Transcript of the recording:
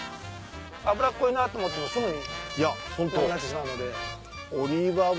脂っこいなと思ってもすぐになくなってしまうので。